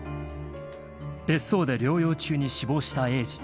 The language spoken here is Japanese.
［別荘で療養中に死亡した栄治］